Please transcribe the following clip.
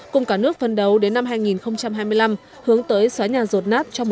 cùng cả nước phân đấu đến năm hai nghìn hai mươi năm hướng tới xóa nhà rột nát cho một trăm linh hộ nghèo